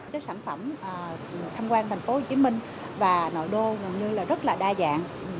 các sản phẩm tham quan thành phố hồ chí minh và nội đô gần như là rất là đa dạng